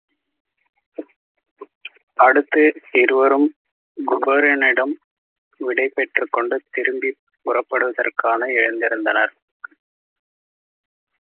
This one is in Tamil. அடுத்து இருவரும் குபேரனிடம் விடை பெற்றுக்கொண்டு திரும்பிப் புறப்படுவதற்காக எழுந்திருந்தனர்.